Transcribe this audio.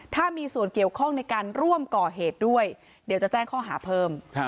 ถ้ามีส่วนเกี่ยวข้องในการร่วมก่อเหตุด้วยเดี๋ยวจะแจ้งข้อหาเพิ่ม